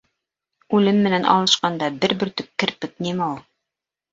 Үлем менән алышҡанда бер бөртөк керпек нимә ул!